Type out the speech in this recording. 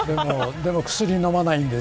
でも、薬飲まないんです。